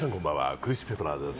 クリス・ペプラーです。